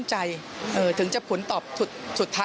ปี๖๕วันเช่นเดียวกัน